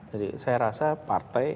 jadi saya rasa partai